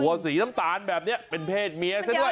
โหวสีส้ำตาลเป็นเป็นเพศเมียซะด้วย